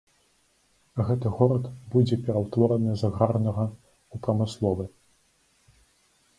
Гэты горад будзе пераўтвораны з аграрнага ў прамысловы.